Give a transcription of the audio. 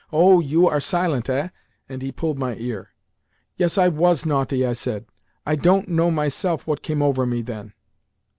"Oh! you are silent, eh?" and he pulled my ear. "Yes, I was naughty," I said. "I don't know myself what came over me then."